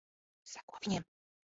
Seko viņiem.